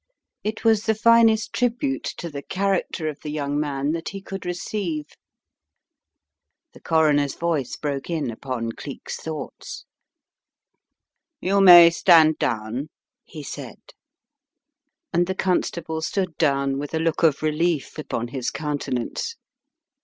It was the finest tribute to the character of the young man that he could receive. The Coroner's voice broke in upon Cleek's thoughts. The Twin Scarves 221 "You may stand down," he said. And the Constable stood down with a look of relief upon his countenance.